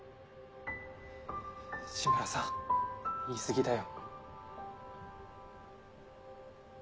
紫村さん言い過ぎだよ。